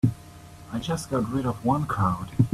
I just got rid of one crowd.